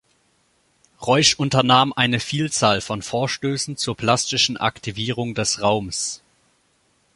Reusch unternahm eine Vielzahl von Vorstößen zur plastischen Aktivierung des Raums.